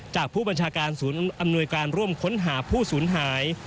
จากผู้บัญชาการศูนย์อำนวยการร่วมค้นหาผู้สูญหาย